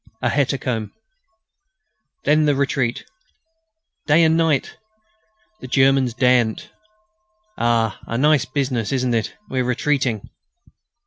A hecatomb.... Then ... the retreat ... day and night.... The Germans daren't.... Ah! a nice business, isn't it? We're retreating."